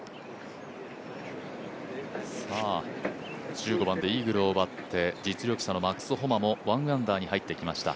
１５番でイーグルを奪って実力者のマックス・ホマも１アンダーに入ってきました。